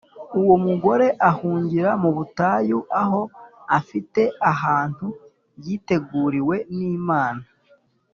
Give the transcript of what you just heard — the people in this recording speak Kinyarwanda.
Uwo mugore ahungira mu butayu aho afite ahantu yiteguriwe n’Imana,